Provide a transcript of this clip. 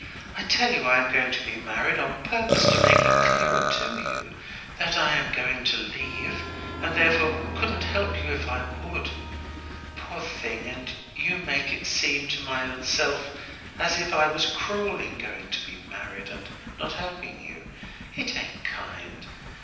I tell you I am going to be married, on purpose to make it clearer to you that I am going to leave, and therefore couldn't help you if I would, Poor Thing, and you make it seem to my own self as if I was cruel in going to be married and not helping you. It ain't kind.